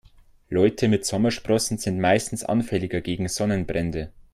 Leute mit Sommersprossen sind meistens anfälliger gegen Sonnenbrände.